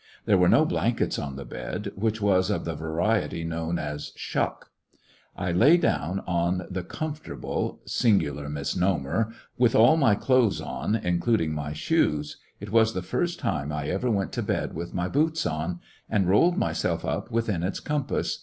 There were no blankets on the bed, which was of the variety known as "shuck." I lay down on the comfortable— singular misnomer !— with all my clothes on, including my shoes,— it was the first time I ever went to bed with my boots on,— and rolled myself up within its compass.